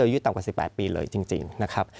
อายุต่ำกว่า๑๘ปีเลยจริงนะครับ